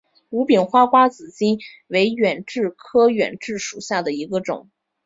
无柄花瓜子金为远志科远志属下的一个种。